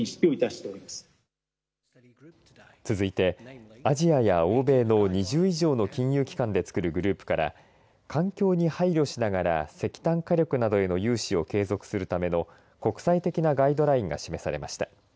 続いて、アジアや欧米の２０以上の金融機関でつくるグループから環境に配慮しながら石炭火力などへの融資を継続するための国際的なガイドラインが示されました。